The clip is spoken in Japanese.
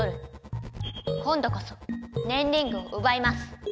今度こそねんリングをうばいます。